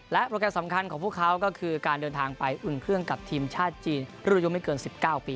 โปรแกรมสำคัญของพวกเขาก็คือการเดินทางไปอุ่นเครื่องกับทีมชาติจีนรุ่นอายุไม่เกิน๑๙ปี